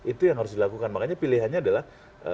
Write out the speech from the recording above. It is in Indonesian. itu yang harus dilakukan makanya pilihannya adalah